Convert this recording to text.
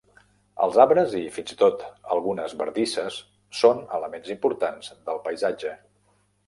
Els arbres i, fins i tot, algunes bardisses són elements importants del paisatge.